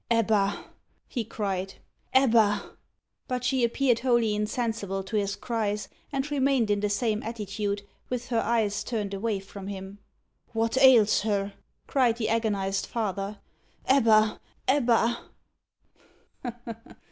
"Ebba!" he cried "Ebba!" But she appeared wholly insensible to his cries, and remained in the same attitude, with her eyes turned away from him. "What ails her?" cried the agonised father. "Ebba! Ebba!"